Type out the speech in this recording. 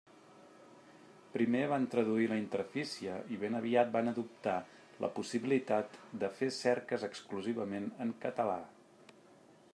Primer van traduir la interfície i ben aviat van adoptar la possibilitat de fer cerques exclusivament en català.